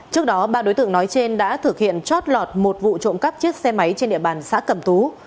trước đó ba đối tượng nói trên đã thực hiện chót lọt một vụ trộm cắp chiếc xe máy trên địa bàn xã cẩm tú